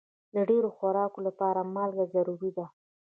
د ډېرو خوراکونو لپاره مالګه ضروري ده.